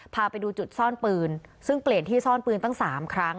พาไปดูจุดซ่อนปืนซึ่งเปลี่ยนที่ซ่อนปืนตั้ง๓ครั้ง